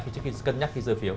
trước khi cân nhắc khi rơi phiếu